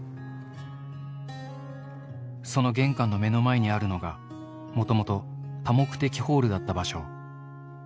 その玄関の目の前にあるのが、もともと多目的ホールだった場所。